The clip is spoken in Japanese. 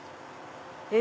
え？